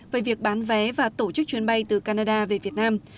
về việc bán vé và tổ chức chuyến bay từ canada về việt nam